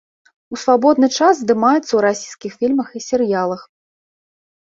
У свабодны час здымаецца ў расійскіх фільмах і серыялах.